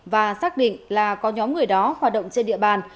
và xác định là có nhóm người đó hoạt động trên địa bàn